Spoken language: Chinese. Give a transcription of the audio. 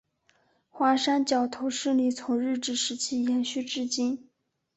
华山角头势力从日治时期延续至今。